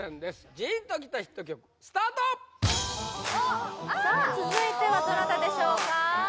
ジーンときたヒット曲スタート続いてはどなたでしょうか？